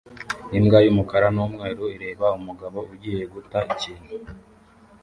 Imbwa y'umukara n'umweru ireba umugabo ugiye guta ikintu